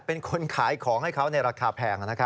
เป็นคนขายของให้เขาในราคาแพง